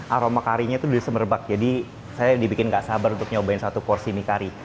aroma karinya itu di semerbak jadi saya dibikin gak sabar untuk nyobain satu porsi mie kari